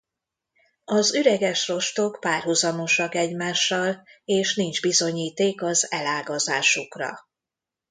Az üreges rostok párhuzamosak egymással és nincs bizonyíték az elágazásukra.